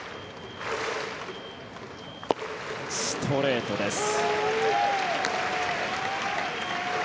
ストレートです。